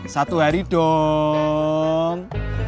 satu hari dong